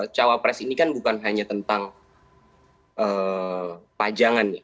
cawapres ini kan bukan hanya tentang pajangan ya